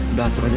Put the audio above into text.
udah atur aja